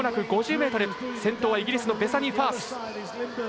先頭はイギリスのベサニー・ファース。